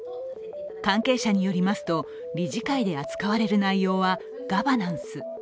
関係者によりますと理事会で扱われる内容はガバナンス。